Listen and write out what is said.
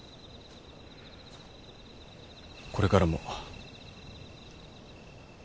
これからも。